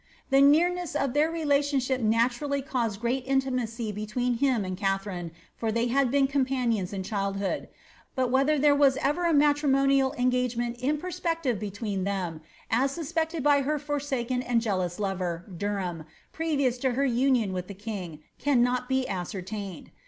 The nearness of their relationship naturally p^at intimacy between him and Katharine, for they had been > State Papers, p. 695. 310 KATHAEINB HOWAED. companions in cnildhood ; but whether there were erer a matrimoiud engagement in perspective between them, as suspected by her forsakeo and jealous lov^r, Derham, previous to her union with the king, canno now be ascertained.